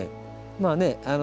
まあね